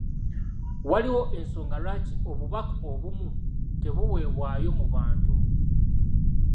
Waliwo ensonga lwaki obubaka obumu tebuweebwayo mu bantu.